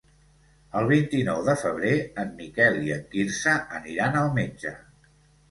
El vint-i-nou de febrer en Miquel i en Quirze aniran al metge.